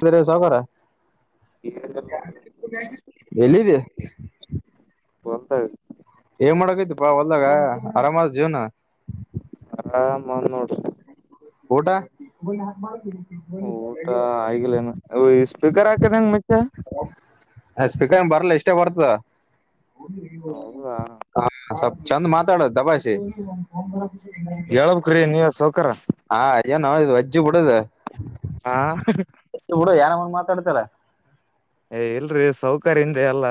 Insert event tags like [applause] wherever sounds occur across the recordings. ತೆರೆ ಸಾವಕಾರ ಏನಿಲ್ಲ ನೋಡ್ರಿ ಎಲ್ಲಿದಿ ಹೊಲದಾಗ್ ಏನ್ ಮಾಡಕತಿಪಾ ಹೊಲ್ದಾಗ ಆರಾಮ ಆದ ಜೀವ್ನ ಆರಾಮ ಅದ ನೋಡು ಊಟ ಊಟ ಆಗಲೇನು ಈ ಸ್ಪೀಕರ್ ಹಾಕದ ಹೆಂಗ ಮಚ್ಚಾ ಅ ಸ್ಪೀಕರ್ ಎನ್ ಬರ್ಲ್ ಇಷ್ಟೇ ಬರ್ತದ ಹೌದಾ ಹಾ ಸಪ್ ಚಂದ ಮಾತಾಡ ದಬಾಸಿ ಹೇಳ್ಬೇಕ್ರಿ ನೀವೆ ಸವ್ ಕರ ಹಾ ಏನೋ ಇದು ವಜ್ಜಿ ಬು ಇದ ಹಾ ಇರ್ಲಿ ಯಾನಮನಿ ಮಾಡ್ ಡ್ತಲ್ಲ ಏ ಇಲ್ರಿ ಸಾವಕರ ಇಂದೆ ಏಲ್ಲ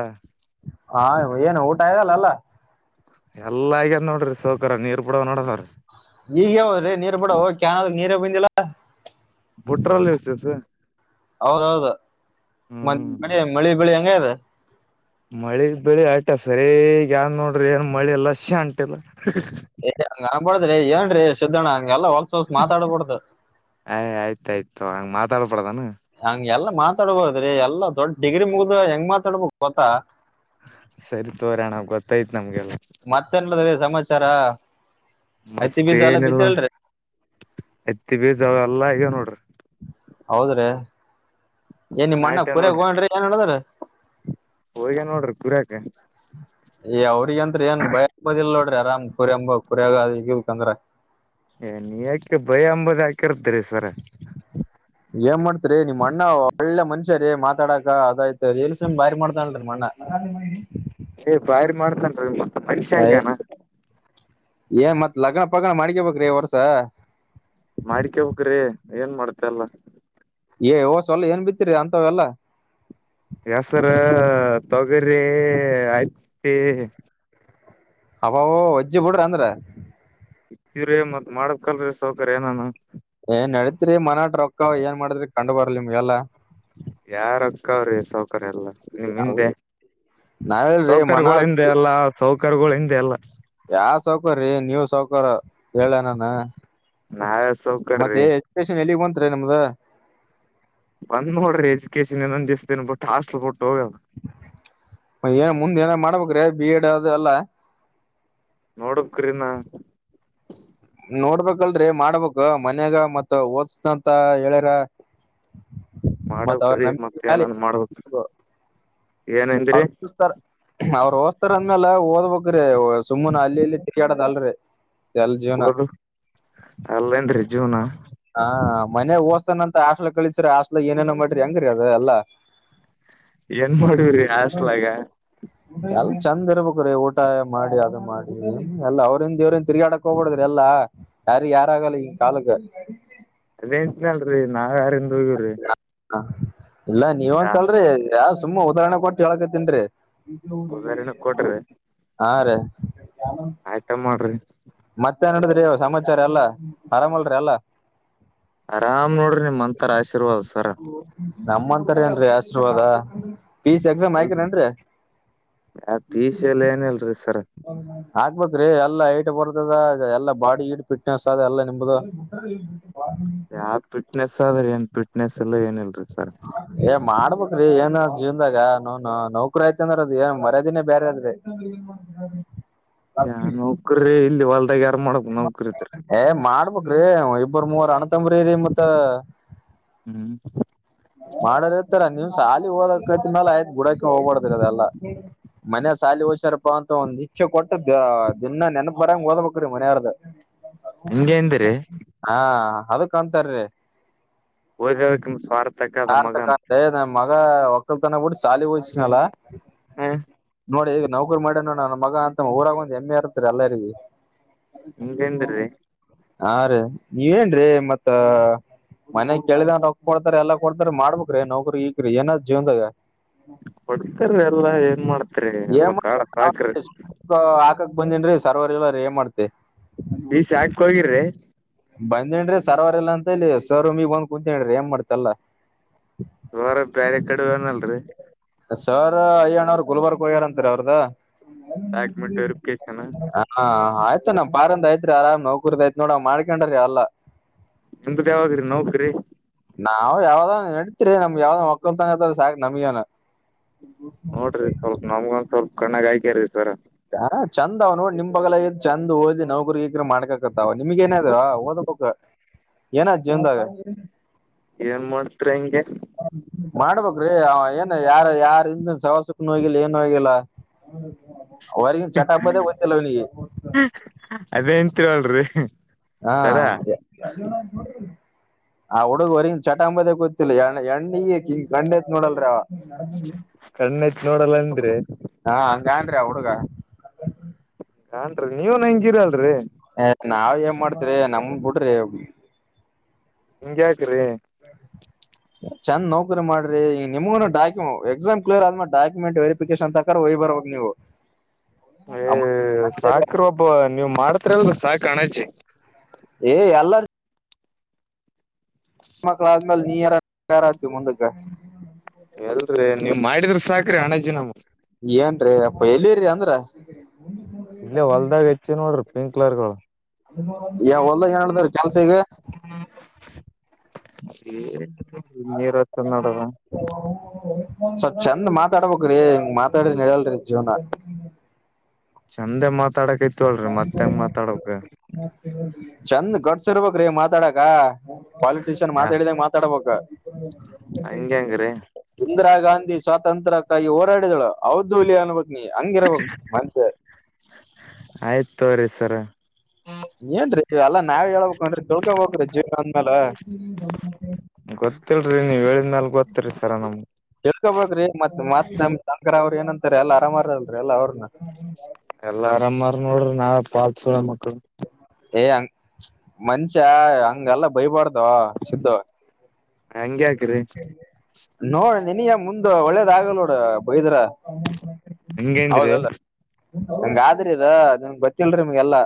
ಹಾ ಏನ ಊಟ ಆಗ್ಯದ ಅಲಾ ಎಲ್ಲಾ ಎಲ್ಲ ಆಗ್ಯದ ನೋಡ್ರಿ ಸೌಕರ ನೀರ್ ಬಿಡೋಡ್ ನೋಡದದ್ರಿ ಈಗ ಯಾವ್ ನೀರ್ ಬಿಡವು ಕ್ಯನಲ ನೀರೆ ಬಂದಿಲ್ಲ ಬುಟ್ರಲ್ಲಿ ಇಸ್ ಇಸ್ಸ್ ಹೌದೌದು ಮ ಹ್ಮ್ ಮಳಿ ಮಳಿ ಬೆಳಿ ಯಾದ್ ಮಳಿ ಬೆಳಿ ಆಟ ಸರಿಗ ಯಾನ ನೋಡ್ರಿ ಏನ್ ಮಳಿ ಇಲ್ಲ [unintelligible] ಎಲ್ಲಿ ಹಂಗ್ ಅನ್ಬಾಡದ್ರಿ ಏನ್ರೀ ಸಿದ್ಧಣ್ಣ ಹಂಗೆಲ್ಲಾ ಹೊ ಅಯ್ ಆಯ್ತ ಆಯ್ತುಹಂಗ ಮಾತ್ ಪಡದನು ಎಲ್ಲಾ ಮಾತಾಡ್ಬದ್ರಿ ಎಲ್ಲಾ ದೊಡ್ ಡಿಗ್ರಿ ಮುಗ್ದ ಹೆಂಗ್ ಮಾತಾಡ್ಬೇಕ ಗೊತ್ತಾ ಸರಿ ತೋರಿ ಅಣ್ಣ ಗೊತ್ತಾಯ್ತ್ ನಮ್ಗೆಲ್ಲ ಸಮಚಾರ ಹತ್ತಿ ಬೀಜಾ ಎಲ್ಲಾ ಮತ್ತೇನಿಲ್ಲ ಬಿತ್ಯವಲ್ಲರಿ ಹತ್ತಿ ಬೀಜಾ ಅವೆಲ್ಲಾ ಆಗ್ಯವ ನೋಡ್ರಿ ಹೌದ್ರೆ ಏನ್ ನಿಮ್ಮ ಅಣ್ಣ ನಾಟ್ಯ ಕುರಿರ ನೋಡ್ರಿ ಹೋಗಣ ಏನ್ ಹೇಳದ್ರ ಹೋಗ್ಯ ನೋಡ್ರಿ ಕುರ್ಯಾಕ ಹೇ ಅವ್ರಿಗೆಂತ ಏನ್ ಭಯ ಬದಿಲ್ಲೋ ಆರಾಮ್ ಕುರಿಯಂಬ [inaudible] ಈ ಗಂದ್ರ ಹೇ ನೀ ಯಾಕೆ ಭಯ ಅಂಬುದು ಯಾಕೆ ಇರುತ್ತೆ ಸರ ಏನ್ ಮಾಡ್ತರಿ ನಿಮ್ ಅಣ್ಣ ಒಳ್ಳೆ ಮನ್ಷ್ಯ ರೀ ಮಾತಾಡಾಕ ಅದಾಯ್ತಲ್ಸಮ ಬಾರಿ ಮಾಡ್ತಾರಿ ಅಣ್ಣ ಬಾರಿ ಮಾಡುತ್ತಾನರಿ ಇವಾ [unintelligible] ಹೇ ಮತ್ತ್ ಲಗ್ನ ಪಗ್ನ ಮಾಡ್ಕಬೇಕ್ರಿ ಈ ವರ್ಷ ಮಾಡಿಕೋಬೇಕ್ರಿ ಏನ್ ಮಾಡ್ತ ಅಲ್ಲ. ಹೇ ಹೋದ್ ಸಾಲ ಏನ್ ಬಿತ್ತರಿ ಅಂತವೆ ಎಲ್ಲಾ ಹೆಸರು ತೊಗರಿ ಹತ್ತಿ ಅಬ್ಬಬಾ ವಜ್ಜಿ ಬಿಡು ಅಂದ್ರ ಇತೀವ್ರೀ ಮತ್ ಮಾಡಕಲ್ರೀ ಸಾವಕರು ಏನಾನ ಏನ್ ನಡತ್ರಿ ಮನಟ ರೊಕ್ಕ ಏನ್ ಮಾಡಿದ್ರಿ ಕಂಡು ಬರ್ಲಿ ನಿಮ್ಗೆಲ್ಲ ಯಾವ್ ರೊಕ್ಕ ಸಾವಕರು [unintelligible] ಹಿಂದೆ ನಾವೇಳ್ರಿ ಮನ ಸೌಕರ್ಯಗಳಗಳು ಹಿಂದೆ ಅಲ್ಲ ಸೌಕರ್ಯಗಳು ಹಿಂದೆ ಅಲ್ಲಾ ಯಾವ ಸೌಕರಿ ನೀವು ಸೌಕರ ಹೇಳ ನಾನು. ನಾವೇ ಮತ್ತೆ ಸೌಕರ್ರಿ ಎಜುಕೇಶನ್ ಎಲ್ಲಿಗೆ ಬಂತು. ಅಯ್ತ್ರಿ ನಿಮ್ದ ಬಂದ್ ನೋಡ್ರಿ ಎಜುಕೇಶನ್ ಇನ್ನೊಂದಿಸ್ ಬಿಟ್ಟು ಹಾಸ್ಟೆಲ್ ಹೋಗಲ್ಲ ಏನ್ ಮುಂದೆ ಏನು ಮಾಡಬೇಕುರಿ ಬಿ ಎಡ್ ಅದೆಲ್ಲ ನೋಡ್ಬೇಕ್ರಿ ಇನ್ನ ನೋಡ್ಬೇಕಲ್ರರಿ ಮಾಡ್ಬೇಕು ಮನ್ಯಾಗ ಮತ್ ಓದಸನಂತ ಹೇಳ್ಯಾರ. ಮತ್ ಅವ್ರ ಮಾಡ್ಬೇಕ್ರಿ ನಂಬಿಕೆ ಮತ್ತ ಏನನ್ ಮಾಡಬೇಕು ಅರ್ಪಿಸುತ್ತಾರೆ ಅವರು ತೋರಿಸುತ್ತಾರೆ ಅಂದ್ಮೇಲೆ ಓದ್ಬೇಕ್ರೀ ಸುಮ್ನೆ ಅಲ್ಲಿ ಇಲ್ಲಿ ತಿರುಗಾಡದು. ಸ್ಯಾಲರಿ ಓದು ಅಲ್ಲೇನ್ರಿ ಜೀವನ. ಮನೆಗೆ ಓದಿಸನ ಹಾಸ್ಟೆಲ್ ಕಲಿಸಿದರೆಹಾಸ್ಟೆಲ್ ಏನೇನೋ ಮಾಡ್ರಿ ಹೆಂಗರೀ ಅದು ಎಲ್ಲ. ಏನ್ಮಾಡ [unintelligible] ಹಾಸ್ಟೆಲ್ ಹಾಗ ಎಲ್ ಚಂದ ಇರ್ಬೇಕ್ರಿ ಊಟ ಮಾಡಿ ಅದು ಮಾಡಿ ಎಲ್ಲಾ. ಅವ್ರಂದ ಇವ್ರನ್ ತಿರ್ಗಾಡಕ್ ಹೋಗ್ಬಡ್ರಿ ಎಲ್ಲಾ ಯಾರ ಯಾರಾಗಲ್ಲ ಹಿಂಗ ಕಾಲಕ್ಕ. ಅದೇಂತಿನಲ್ರರಿ ನಾವ್ ಯಾರು ಇರು [unintelligible] ಹಾ ಇಲ್ಲ ನೀವ ಅಂತಲ್ರಿ ಯಾವ ಸು ತುಂಬ ಉದಾಹರಣೆ ಕೊಟ್ಟು ಹೇಳಕತಿನ್ರಿ ಉದಾರಿನ ಹಾ ರೀ [unintelligible] ಆಯ್ತ ಮಾಡ್ರಿ ಮತ್ತೇನ್ ನಡದ್ರಿ ಸಮಾಚಾರ ಎಲ್ಲಾ ಆರಾಮಲ್ರಿ ಎಲ್ಲಾ ಆರಾಮ್ ನೋಡ್ರಿ ನಿಮ್ ಮಂತ್ ನಮ್ಮಂತರ ಏನ್ರೀ ಆಶೀರ್ವಾದ ಹ್ಮ ಪಿ ಸಿ ಎಕ್ಸಾಮ್ ಇಲ್ರಿ ಆಯ್ತನ್ರಿ ಯಾ ಪೀಸ್ ಎಲ್ಲ ಏನಿಲ್ರಿ ಸರ್ ಹಾಕ್ಬೇಕೇರಿ ಎಲ್ಲ ಐಟ್ ಬರ್ದದ ಎಲ್ಲ ಬಾಡಿ ಈಡ್ ಫಿಟ್ನೆಸ್ ಅದ ಎಲ್ಲ ನಿಮ್ದು ಯಾವ ಫಿಟ್ನೆಸ್ ಆದ್ರ ಏನ್ ಫಟ್ನೆಸ್ ಎಲ್ಲ ಏನಿಲ್ರಿ ಸರ್ ಮಾಡ್ಬ್ರಿ ಏನ್ ಜೀವದಾಗ ನೋನು ನೌಕರು ಯ್ತ ಅಂದ್ರ ಅದ ಏನ್ ಮರ್ಯದಿನೇ ಬೇರೆದ್ರಿ ನೋಕ್ರಿ ಇಲ್ಲೇ ಹೊಲದಾಗ ಏ ಮಾಡ್ಬಬೇಕ್ರಿ ಇಬ್ಬರ್ ಮೂವರ್ ಅಣ್ಣ ತಮ್ಮರಿ ಮತ್ತ ಹ್ಮ್ ಮಾಡ ಇರ್ತಾರ ನೀವ್ ಸಾಲಿ ಓದ ಕತ್ಮೇಲೆ ಆಯ್ತ್ ಬುಡೋಕೆ ಹೋಗ್ಬಾರಡ್ದರ ಅದಲ್ಲಾ ಮನ ಸಾಲಿ ಹೋಸ್ಯಾರಪ್ಪಾ ಅಂತ ಒಂದ ಇಚ್ಛೆ ಕೊಟ್ಟುದ ದಿನ ನೆನಪ ಬರಂಗ ಓದ್ಬೇಕ್ರೀ ಮನೆಯವಾರ್ದ ಹಂಗೇಂದಿರಿ ಹಾ ಅದಕ್ಕ ಅಂತರಿ ಹೋಗ ನಿ ಸ್ವಾರ್ಥ ಸಾರ್ಥಕ ಮಗ ಒಕ್ಕಳ ಬಿಡ್ತು ಶಾಲೆ ಓದಿಸದ್ಮೇಲೆ ಹ್ಮ್ ನೋಡಿ ಈಗ ನೌಕರಿ ಮಾಡಿ ನೋಡ ನನ್ನ ಮಗ ಅಂತ ಊರಾಗ ಒಂದ್ ಹೆಮ್ಮೆ ಇರ್ತರಿ ಎಲ್ಲರಿಗೆ [inaudible] ಹಿಂಗಂದ್ರಿ ಹಾ ರೀ ನೀವೇಏನರೀ ಮತ್ತ ಮನೆ ಕೇಳಿದನ್ ಹೊಕ್ಬಡ್ತಾರೆ ಎಲ್ಲ ಕೊಡ್ತಾರೆ ಮಾಡ್ಬೇಕಕೇರಿ ನೌಕರೀ ಏನಾರ ಜೀವನ್ದಾಗ ಕೊಡ್ತಾರೀ ಎಲ್ಲಾ ಏನ್ ಮಾಡತ್ರಿ ಎಲ್ಲ ಬಾಡ ಸಾಕ್ರಿ ಕ್ ಬಂದೇನ್ರರಿ ಸರ್ವರ್ ಇಲ್ಲ ಅಂದ್ರೆ ಏನ್ ಮಾಡ್ತೆ ಹಾಕ್ ಹೋಗಿರ್ರಿ ಬಂದೇಂದ್ರೆ ಸರ್ವರ್ ಎಲ್ಲಾ ಅಂತ ಇಲ್ಲಿ ಸರ್ ರೂಮಿಗೆ ಒಂದ್ ಕುಂತ್ಕಣ್ರಿ ಏನ್ ಮಾಡ್ತಿಯಾ ಎಲ್ಲಾ? ಹೊರ ಬೇರೆ ಕಡ ಏನಲ್ರಿ? ಸರ್ ಅಯ್ಯಣ್ಣ ಅವರು ಗುಲ್ಬರ್ಗಕ್ಕೆ ಹೋಗ್ಯ್ಯಾರ ಅಂತರಿ ಅವ್ರದು. ಡಾಕ್ಯುಮೆಂಟ್ ವೆರಿಫಿಕೇಶನ್ ಹಾ ಆಯ್ತ ನಮ ಬಾರಂದ ಆಯ್ತು ಆರ್ ನೋಕರ್ದಯ್ ನೋ ಅವ ಮಾಡಿ ಗಂಡರೀ ಅಲ್ಲ ನಿಮ್ದು ಯಾವಾಗ್ರಿ ನೌಕ್ರಿ ನಡ ನಮ್ ಯಾವದೋ ಮಕ್ಕಳಂತ ನಮಿಯ ನೋಡ್ರಿ ಸ್ವಲ್ಪ ನಮ್ಗಂದ ಸ್ವಲ್ಪ. ಕಣ್ಣಗಾಯಕರಿ ಸರ ಹ ಚಂದ ಅವ ನೋಡ್ ನಿಮ್ ಬಗ್ಲಗ್ ಚಂದ್ ಓದಿ ನೌಕ್ರಗ್ರ ಮಾಡ್ಕಕತ್ತ ಅವ ನಿಮಗ ಏನಾದ್ರ ಓದಬೇಕ್, ಏನ್ ಜೀವನ್ದಾಗ ಏನ್ ಮಾಡ್ತರಿ ಹಂಗೆ ಮಾಡ್ಬೇಕ್ರೀ ಏನ್ ಯಾರ ಯಾರ ಹಿಂದನ್ ಸವಾಸಕನ ಹೋಗಿಲ್ಲ ಏನು ಆಗಿಲ್ಲ. ಅವಗ ಚಟಾಪ್ಪದ ಹತಲ್ಲ ಅವನಿಗೆ. ಹತ್ತ ಹೇಳಲ್ರಿ ಹಾ ಆ ಹಡುಗ ವರ ಚಟ್ ಗೊತ್ತಿಲ್ಲಣ ಎಣ್ಣ ಕಣ್ಣೆತ್ ನೋಡಲ್ರಿ ಅವ, ಕಣ್ಣೆತ್ ನೋಡಲ್ಲ ಅಂದ್ರಿ ಅ ಅಂತ ನಾನ್ರಿ ಆ ಹುಡುಗ ನಾನ್ರಿ ನೀವನ್ ಹೆಂಗಿರಲ್ರರಿ. ಹ ನಾವ ಏನ್ ಮಾಡ್ತ್ರರಿ ನಮನ್ ಬಿಡ್ರಿ ಹೋಗ ಹಂಗ ಯಾಕ್ರಿ ಚಂದ್ ನೌಕರಿ ಮಾಡ್ರಿ ನಿಮಗನು ಡಕು ಎಕ್ಸಾಮ್ ಕ್ಲಿಯರ್ ಆದ್ಮೇ ಡಾಕುಮೆಂಟ್ ವೆರಿಕೇಶನ್ ತಕ ಹೋಗ್ ಬರೋಗ್ ನೀವು ಏ ಸಾಕ್ರ ಒಬ್ಬ ನೀವ್ ಮಾಡ ಹತ್ರ ಸಹ ಕಾಣಚ್ಚ ಏ ಎಲ್ಲ ಮಕ್ಕಳ ಆದ್ಮೇಲೆ ನೀರಾರಾತವಿ ಮುಂದಕ್ಕೆ. ಹೇಳ್ರಿ ನೀವು ಮಾಡಿದ್ರ ಸಾಕ್ರರಿ ಅಣಾಜು ನಮ್ಮ. ಏನ್ರೀ ಅಪ್ಪ ಎಲ್ಲಿರರಿ ಅಂದ್ರ. ಇಲ್ಲೇ ಹೊಲ್ದಾಗ ಹೆಚ್ಚಿ ನೋಡ್ರಿ. ಸ್ಪ್ರಿಂಕ್ಲಾರ್ಗಳು ಯ ಹೊಲ್ದಾಗ ಏ ಮಾಡ್ದಾರ ಕೆಲ್ಸ ಈಗ. ಹ್ಮ ನೀರ ಚ ನಡದ ಸ್ವಲ್ ಚಂದ ಮಾತಾಡ್ಬೇಕ್ರಿ ಹಿಂಗ್ ಮಾತಾಡಿದ್ರ ನಡೆಯಲ್ರಿ ಜೀವನ. ಚಂದೆ ಮಾತ್ ಮಾತಾಡಕ್ ಇತ್ ಅಳರಿ ಮತ್ತ ಹೆಂಗ ಮಾತಾಡ್ಬೇಕ. ಚಂದ್ ಗಟ್ಸ್ ಇರ್ಬೇಕ್ರಿ ಮಾತಾಡಕ ಪಾಲಿಟಿಷಿಯನ್ ಯಾ ಮಾತಾಡಿದಾಗ ಮಾತಾಡ್ಬೇಕ [inaudible] ಹಂಗ್ಯಾಂಗ್ರಿ ಇಂದಿರಾ ಗಾಂಧಿ ಸ್ವಾತಂತ್ರ್ಯಕ್ಕಾಗಿ ಹೋರಾಡಿದಳು ಹೌದು ಹುಲಿಯ ಅನ್ಬೇಕ್ ನೀ ಹಂಗಿರಬಕ್ ಮನ್ಷೆ ಆಯ್ತ್ ತಗೋರಿ ಸರ ಏನ್ರೀ ಎಲ್ಲ ನಾವೇ ಹೇಳ್ಬೇಕನ್ ರೀ ತಿಳ್ಕೋಬ್ರಿ ಜೀವನ ಅಂದ್ಮೇಲ ಗೊತ್ತಿಲ್ರರಿ ನೀವ್ ಹೇಳಿದ್ಮ್ಯಾಲ ಗೊತ್ತರಿ ಸರ ನಮ್ ತಿಳ್ಕೋಬ್ರಿ ಮತ್ ಮತ್ ನಮ ಶಂಕ್ರ ಅವ್ರ ಏನ ಎಲ್ಲ ಆರಾಮಾರದಲ್ರರಿ ಎಲ್ಲ ಅವ್ರನ್ನ ಎಲ್ಲಾ ಆರಾಮಾರ ನೋಡ್ರಿ ನಾವ್ ಪಾಲ್ಸು [unintelligible] ಮನಷ್ಯ ಹಂಗೆಲ್ಲ ಬೈಬಾರ್ದ ಸಿದ್ದ ಹಂಗ್ಯಾಕೆ ನೋ ನಿನಗ ಮುಂದ್ ಒಳ್ಳೇದ್ ಆಗಲ್ ನೋಡ ಬೈದ್ರ ಹಂಗಂದ್ರಿ ಹಂಗ ಅದ್ರೆ ಇದ ಅನ್ ಗೊತ್ತಲ್ರಿ ನಿಮ್ಗೆಲ್ಲಾ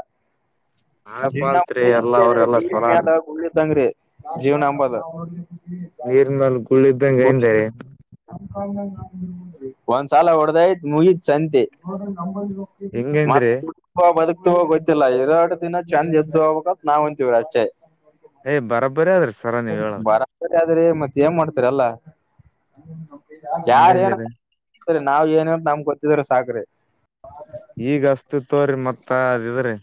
ನಾವ [unintelligible] ಇಷ್ಟ ಪಾಲ್ತ್ರಿ ಎಲ್ಲಾ ಅವ್ರೆಲ್ಲಾ ನೀರಿ ಚೊಲಾರ ಮ್ಯಾಲ ಗುಳ್ಳೆ ಇದ್ದಂಗ್ರಿ ಜೀವನ ಅಂಬದು [unintelligible] ಗುಳ್ಳೆ ಇದ್ದಂಗೆ ಏನ್ರಿ ಒಂದ್ಸಲ ಹೊಡದಾಯತ್ ಮುಗೀತ್ ಸಂತೆ ಹೆಂಗೈಂದ್ರಿ ಮತ್ತೆ [unintelligible] ಗೊತ್ತಿಲ್ಲ ಇರೋ ಅಷ್ಟು ದಿನ ಚಂದ ಇದ್ದು ಹೋಗಬೇಕತ್ ನಾವ್ ಅಂತೀವಿ ಅಷ್ಟೇ ಹೇ ಬರಬರಿ ಅದ್ರಿ ಸರ ನೀವ್ ಹೇಳದು [unintelligible] ಏನ್ ಮಾಡ್ತರಲ್ಲ ಯಾರ ಏನ್ ಹಂಗಂದ್ರಿ [inaudible] ನಾವ್ ಏನಂತ ನಮ್ ಗೊ [unintelligible] ಈಗ ಅಷ್ಟ ತೋರಿ ಮತ್ತ ಅದಿದ್ರಿ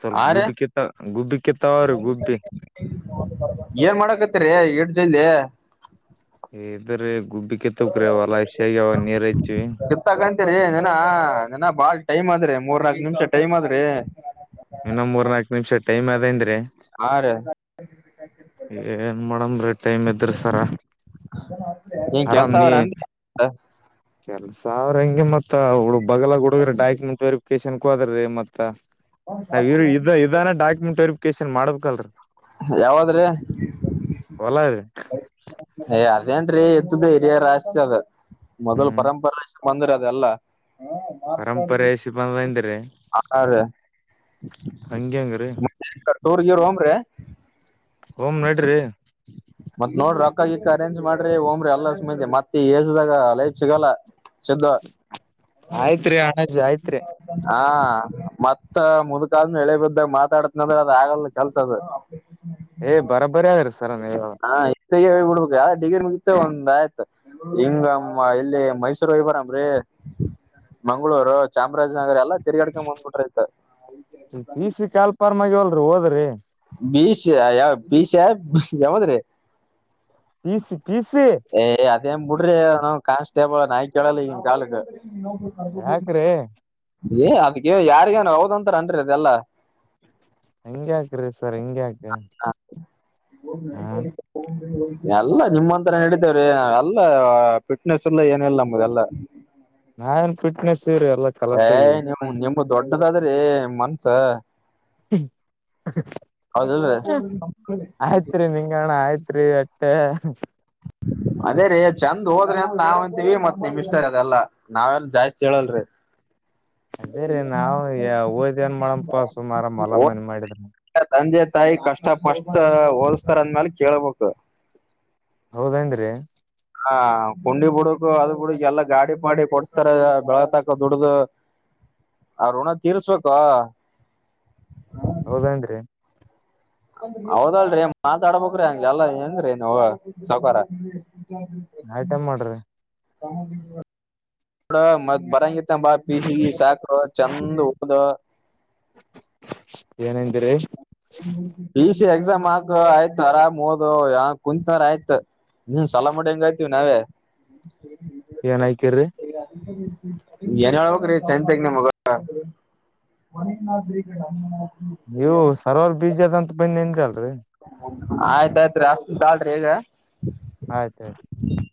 ಸ್ವಲ್ಪ ಆ ರ ಗುಬ್ಬಿಕತ್ತ ಗುಬ್ಬಿ ಕಿತ್ತಾವ್ರಿ ಗುಬ್ಬಿ ಏನ್ ಮಾಡಕತ್ರಿ [unintelligible] ಇದರ ಹಚ್ಚಿವಿ ಗೊತ್ತಂತರಿ ನನ ನನ ಬಾಳ್ ಟೈಮ್ ಮೂರ್ನಾಲ್ಕು ನಿಮಿಷ ಟೈಮ್ ಆದ್ರೆ ಇನ್ನೊ ಮೂರ್ ನಾಕು ನಿಮಿಷ ಟೈಮ್ ಅದಂದ್ರೆ ಹ [inaudible] ಏನ್ ಮಾಡಮ್ರಿ ರೀ ಟೈಮ್ ಗೆ ಎಬ್ಬಿಸುತ್ತಾರೆ ಸ [inaudible] ನೀ ಕೆಲ್ಸ ಅವರನ್ರಿ ಕಳಸ ಹಂಗೆ ಮತ್ತೆ ಹುಡುಗ ಬಾಗಲೋಡ ಡೈಕ್ರು ಹೋದರೆ ಮತ್ತೆ ನಾವ್ ಇ್ರ ಇದ ಇದಾನ ಡಾಕ್ಯುಮೆಂಟ್ ಕೇಶನ್ ಮಾಡ್ಬೇಕಲ್ರರಿ ಯಾವದ್ರಿ ಹೊಲ ರೀ ಏ ಅದೇನ್ ರೀ ಹಿರಿಯರ ಆಸ್ತಿ ಅದು ಮೊದಲ ಹ್ಮ್ ಪರಂಪರ ಬಂದಿರ ಅದೆ ಎಲ್ಲ ಪರಂಪರೆ ಸಿ ಬಂದಂದ್ರ ಹಾ ರೀ ಹಂಗಗೆಂಗ್ರೀ ಟೂರ್ ಗೀರ್ ಹೋಮ್ರಿ ಹಓಮ ನೋಡ್ರಿ [inaudible] ಮತ್ ನೋಡ್ರಿ ರೊಕ್ಕ ಗಿಕ್ಕ ಅೇಂಜ್ ಮಾಡ್ರಿ ಹೋಗ್ರಿ ಅಲ್ಲ ಸುತೆ ಮಂದಿ ಮತ್ತೆ ಲೈಫ್ ಸಿಗಲ್ಲ ಸಿದ್ದ ಆಯ್ತ್ರಿ ಅಣಜಿ ಆಯ್ತ್ರಿ ಹಾ ಹಾ ಮತ್ತ ಮುದ್ಕಲ್ ಎಳೆ ಬಿದ್ದಾಗ ಮಾತಾಡತ್ನಂದ್ರೆ ಅದ ಆಗಲ್ಲ ಕಲ್ಸದ ಏ್ ಬರಬ್ಬರಿ ಯಾರ ಹಾ ಆಯ್ ಬಿಡ್ಬೇಕು ಯಾವ ಡಿಗ್ರಿ ಮುಗುತ್ತ ಒಂದ್ ಆಯ್ತು ಹಿಂಗ ಇಲ್ಲಿ ಮೈಸೂರು ಇ ಬರಾಮ್ರೀ ಮಂಗಳೂರು ಚಪ ಚಾಮರಾಜನಗರ ಎಲ್ಲ ತಿರ್ಗಾಡಕ ಮುಂದ್ಬಿಟ್ರ್ತ ಸರ ಹೋದ್ರಿ ಬೀಷ ಯಾವ ಬೀಷ ಯಾವದ್ರೀ ಬಿಸಿ ಪಿಸಿ ಅನ್ ಬಿಡ್ರಿ ನ ಕಾನ್ಸ್ಟೇಬಲ್ ನಾ ಕೇಳಲ್ಲ ಈನ್ ಕಾಲಕ್ ಯಾಕ್ರಿ ಅದಕ್ಕೆ ಯಾರಗ [unintelligible] ಒಂತರ ಅನ್ರಿ ಅದೆ ಎಲ್ಲಾ ಹಂಗಗೆಯಾಕ್ರೀ ಸರ್ ಹಿಂಗ್ಯಾಕ ಹ ಎಲ್ಲ ನಿಮ್ಮಂತ ರ ನಡಿತೇವ್ರ ಅಲ್ಲ ಫಿಟ್ನೆಸ್ ಎಲ್ಲ ಏನ ಇಲ್ಲ ನಮ್ದಲ್ಲಾ ನಾವೇನ್ ಫಿಟ್ನೆಸ್ ಇವ್ರಿ ಎಲ್ಲಾ ಹ ಕಲಸಾಗಿ ನೀಮ [unintelligible] ನಿಮ ದೊಡ್ಡದಾದ್ರೆ ಮನ್ಸ ಹೌದಲ್ರಿ ಆಯ್ತ್ರಿೀ ನಿಂಗಣ ಆಯ್ತ್ರಿ ಹ ಅದೇ ರೀ ಚಂದ್ ಹೋದ್ರಿ ಅಂತ ನಾವ ಅಂತೀವಿ ಮತ್ ನಿಮ್ ಇಷ್ಟ ಅದೆಲ್ಲಾ ನಾವೆ ಜಾಯಸ್ ಚಳಲ್ ರೇಜೆ ಅದೇ ರೀ ನಾವು ಓದ್ ಏನ್ ಮಾಡಮಪಾ ಸುಮಾರ ಮಲ ಮನಿ ಮಾಡಿದ್ರ [unintelligible] ತಾಯಿ ಕಷ್ಟ ಪಷ್ಟ ಹೋಲ್ಸ್ತಾರ ಅಂದ್ಮೇಲೆ ಕೇಳ್ಬೇಕು ಹೌದಂದ್ರಿ ಹಾ ಕುಂಡಿ ಬಿುಡಕು ಅದ ಬಿಡಕ್ ಎಲ್ಲಾ ಗಾಡಿ ಪಾಿ ಕೊಡ್ಸ್ತಾರೆ ಬೆಳತಕ ದುಡ್ದು ಆ ಋಣ ತೀರ್ಸ್ಬೇಕು ಹೌದೇನ್್ರರಿ ಹೌದಲ್ರಿ ಮಾತಾಡ್ಬೇಕ್ರಿ ಹಂಗಗೆ ಎಲ್ಲ ಹೆಏಂಗ್ರೀ ನೀ ಸೌಕಾರ ಐಟಮ್ ಮಾಡ್ರಿ ತಾಮ ಬಿ ಡ ಮ ಬರ ಂಬಾ ಬಿಸಿಿಗೆ ಸಾಕು ಚಂದ್ ಹ್ದ ಏನ [unintelligible] ಎಕ್ಸಾಮ್ ಹಾಕ ಆಯ್ತ ಆರಾಮ್ೋದ ಯಾ ಕುಂತಾರ ಆಯ್ತ ನೀ ಸಲ ಮಾಡಡಿಂಗಯ್ತಿವಿ ನಾವೇ ಏನ್ಯಕ್ರ ಏನಳ್ವ ರೀ ಚೈನ್ ತಂಗನೆ ಮಗ ನೀವು ಸರವಲ್ ಬೀಜದಂತ ಬನ್ನಿ ಎಂದ್ರಲ್ ಕ ಆಯ್ತಾಯ್ತ್ೀ ಅಷ್ಟ ತಾಳ್ರಿ ಈಗ ಆಯ್ತಾಯಯ್ತು